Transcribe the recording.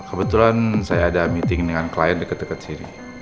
kebetulan saya ada meeting dengan klien deket deket sini